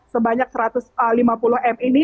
sebanyak satu ratus lima puluh m ini